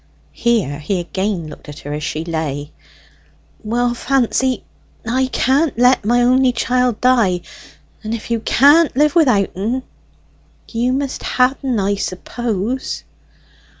Here he again looked at her as she lay. "Well, Fancy, I can't let my only chiel die; and if you can't live without en, you must ha' en, I suppose."